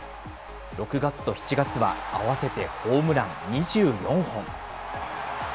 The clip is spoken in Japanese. ６月と７月は合わせてホームラン２４本。